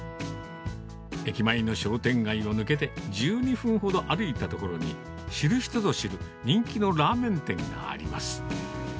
駅前の商店街を抜けて、１２分ほど歩いた所に、知る人ぞ知る人気のラーメン店があります。